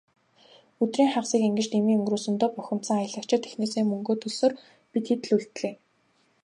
Өдрийн хагасыг ингэж дэмий өнгөрөөсөндөө бухимдсан аялагчид эхнээсээ мөнгөө төлсөөр, бид хэд л үлдлээ.